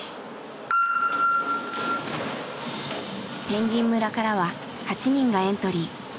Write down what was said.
ぺんぎん村からは８人がエントリー。